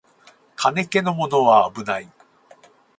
金気のものはあぶない